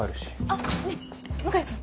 あっねぇ向井君！